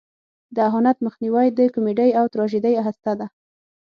د اهانت مخنیوی د کمیډۍ او تراژیدۍ هسته ده.